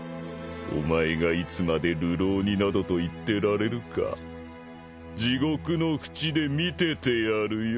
お前がいつまで流浪人などと言ってられるか地獄の淵で見ててやるよ。